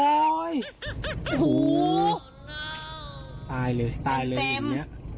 โอ้โหตายเลยตายเลยแบบนี้